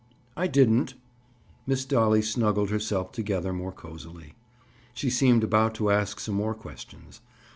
"I didn't." Miss Dolly snuggled herself together more cozily. She seemed about to ask some more questions.